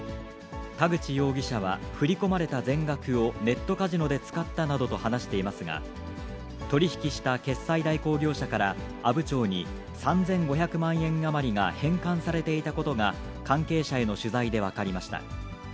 田口容疑者は振り込まれた全額をネットカジノで使ったなどと話していますが、取り引きした決済代行業者から、阿武町に３５００万円余りが返還されていたことが、関係者への取材で分かりました。